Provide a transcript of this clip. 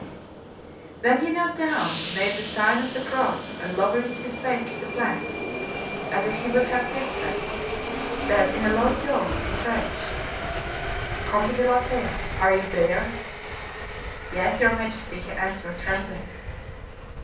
Then he knelt down, made the sign of the cross, and lowering his face to the planks, as if he would have kissed them, said in a low tone, in French, "Comte de la Fere, are you there?" "Yes, your majesty," he answered, trembling.